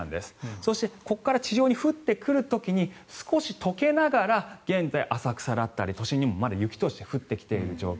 そしてここから地上に降ってくる時に少し解けながら現在、浅草だったり都心にもまだ雪として降ってきている状況。